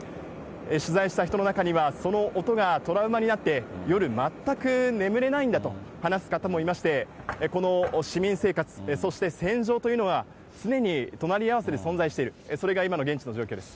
取材した人の中にはその音がトラウマになって、夜全く眠れないんだと話す方もいまして、この市民生活、そして戦場というのは、常に隣り合わせで存在している、それが今の現地の状況です。